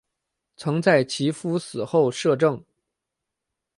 曾在其夫死后摄政。